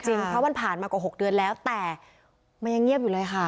เพราะมันผ่านมากว่า๖เดือนแล้วแต่มันยังเงียบอยู่เลยค่ะ